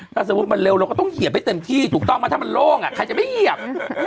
ถ้าสมมุติมันเร็วเราก็ต้องเหยียบให้เต็มที่ถูกต้องไหมถ้ามันโล่งใครจะไม่เหยียบ